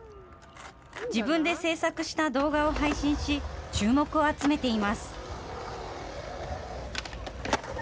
自分で制作した動画を配信し、注目を集めています。